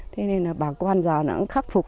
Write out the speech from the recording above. thế nên bà con giờ nó khắc phục